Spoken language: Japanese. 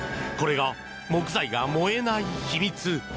これが木材が燃えない秘密。